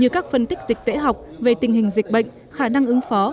cũng phân tích dịch tễ học về tình hình dịch bệnh khả năng ứng phó